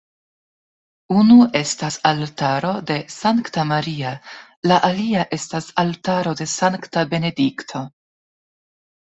Unu estas altaro de Sankta Maria, la alia estas altaro de Sankta Benedikto.